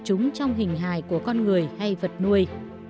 chúng trong hình hài của con người hay vật nuôi